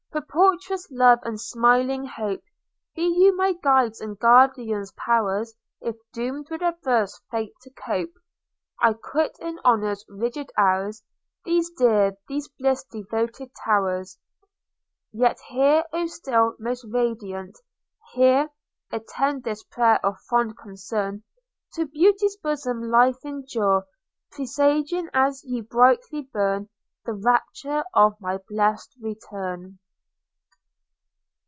Propitious Love and smiling Hope! Be you my guides, and guardian powers, If, doom'd with adverse fate to cope, I quit in Honour's rigid hours These dear, these bliss devoted towers. Yet here, O still, most radiant! here (Attend this prayer of fond concern) To beauty's bosom life endear, Presaging as ye brightly burn The rapture of my blest return.